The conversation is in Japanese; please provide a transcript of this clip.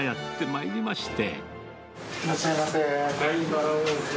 いらっしゃいませ。